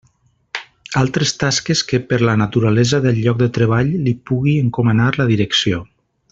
Altres tasques que per la naturalesa del lloc de treball li pugui encomanar la Direcció.